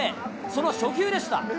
その初球でした。